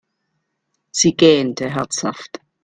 Sie gähnte herzhaft.